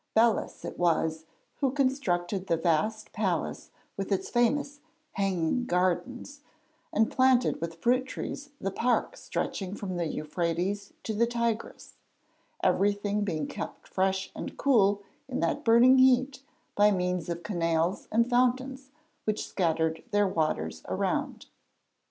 Belus it was who constructed the vast palace with its famous 'hanging gardens,' and planted with fruit trees the park stretching from the Euphrates to the Tigris, everything being kept fresh and cool in that burning heat by means of canals and fountains which scattered their waters around.